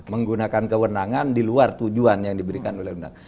menggunakan kewenangan di luar tujuan yang diberikan oleh undang undang